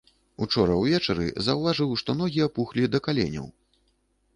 Учора ўвечары заўважыў, што ногі апухлі да каленяў.